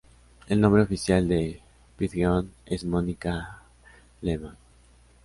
El nombre oficial de Pidgeon es Monica Lehmann.